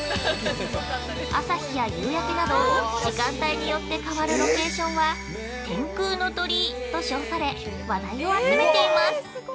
朝日や夕焼けなど時間帯によって変わるロケーションは天空の鳥居と称され話題を集めています。